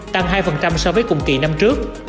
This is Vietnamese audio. tăng hai so với cùng kỳ năm trước